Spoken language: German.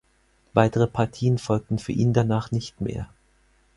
Weitere Partien folgten für ihn danach nicht mehr.